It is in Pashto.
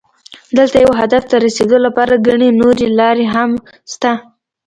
دلته یو هدف ته رسېدو لپاره ګڼې نورې لارې هم شته.